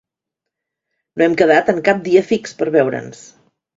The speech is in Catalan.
No hem quedat en cap dia fix per veure'ns.